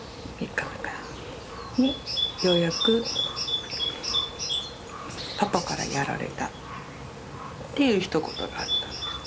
３日目かなにようやく「パパからやられた」っていうひと言があったんです。